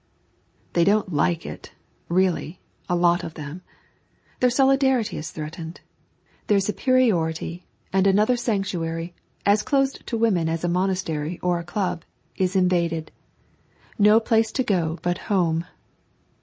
They don't like it, really, a lot of them. Their solidarity is threatened. Their superiority, and another sanctuary, as closed to women as a monastery, or a club, is invaded. No place to go but home.